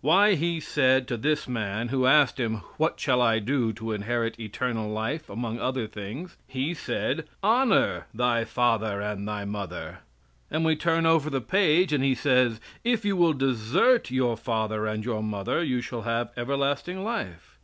Why He said to this man who asked him "What shall I do to inherit eternal life?" among other things, He said "Honor thy father and thy mother." And we turn over the page and He says: "If you will desert your father and your mother you shall have everlasting life."